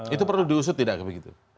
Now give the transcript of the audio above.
itu perlu diusut tidak begitu